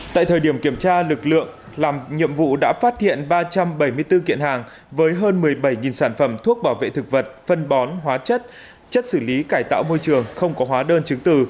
tại thời điểm kiểm tra lực lượng làm nhiệm vụ đã phát hiện ba trăm bảy mươi bốn kiện hàng với hơn một mươi bảy sản phẩm thuốc bảo vệ thực vật phân bón hóa chất chất xử lý cải tạo môi trường không có hóa đơn chứng từ